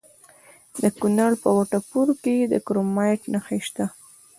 د کونړ په وټه پور کې د کرومایټ نښې شته.